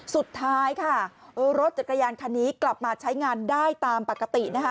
สุดท้ายค่ะรถจักรยานคันนี้กลับมาใช้งานได้ตามปกตินะคะ